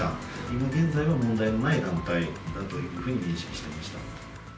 今現在は問題のない団体だというふうに認識してました。